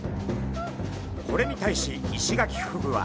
これに対しイシガキフグは。